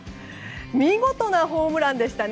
見事なホームランでしたね。